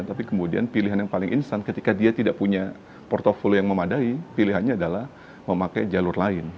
tapi kemudian pilihan yang paling instan ketika dia tidak punya portofolio yang memadai pilihannya adalah memakai jalur lain